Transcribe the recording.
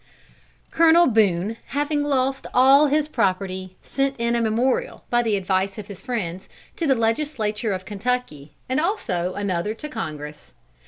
Colonel Boone having lost all his property, sent in a memorial, by the advice of his friends, to the Legislature of Kentucky, and also another to Congress.